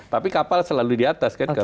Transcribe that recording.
tapi kapal selalu di atas kan